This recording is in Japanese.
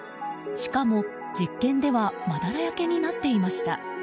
しかも、実験ではマダラ焼けになっていました。